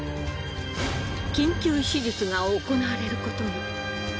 緊急手術が行われることに。